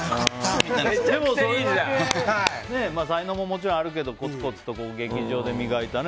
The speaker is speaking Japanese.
でも、才能ももちろんあるけどコツコツ実力を磨いてね。